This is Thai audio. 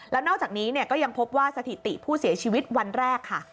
แล้วนอกจากนี้ก็ยังพบว่าสถิติผู้เสียชีวิตวันแรกค่ะ